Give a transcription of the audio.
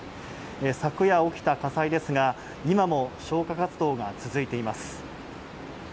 昨夜起きた火災ですが、今も消火活動が続いています。